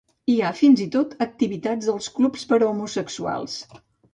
Hi ha fins i tot activitats dels clubs per a homosexuals.